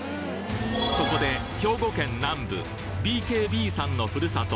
そこで兵庫県南部ＢＫＢさんのふるさと